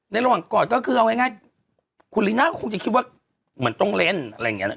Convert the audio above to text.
ในระหว่างกอดก็คือเอาง่ายง่ายคนคืออะไรอังี้น่ะ